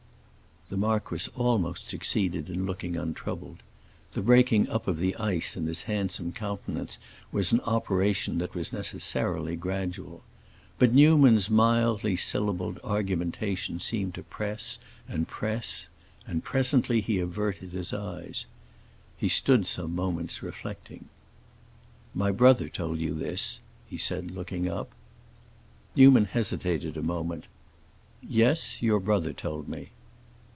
The marquis almost succeeded in looking untroubled; the breaking up of the ice in his handsome countenance was an operation that was necessarily gradual. But Newman's mildly syllabled argumentation seemed to press, and press, and presently he averted his eyes. He stood some moments, reflecting. "My brother told you this," he said, looking up. Newman hesitated a moment. "Yes, your brother told me."